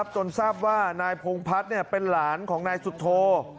จนทราบว่านายพงพัฒน์เป็นหลานของนายสุโธ